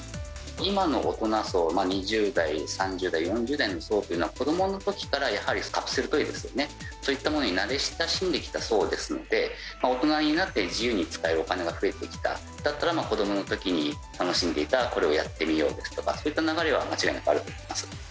今の大人層、２０代、３０代、４０代の層というのは、子どものときからやはりカプセルトイですよね、そういったものに慣れ親しんできた層ですので、大人になって、自由につかえるお金が増えてきた、だったら子どものときに楽しんでいたこれをやってみようですとか、そういった流れは間違いなくあると思います。